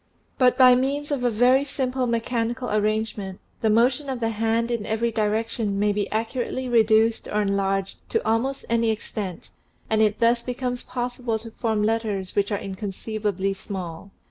But by means of a very simple mechanical arrangement, the motion of the hand in every direction may be accurately MICROGRAPHY AND MICROPHOTOGRAPHY 139 reduced or enlarged to almost any extent, and it thus becomes possible to form letters which are inconceivably small.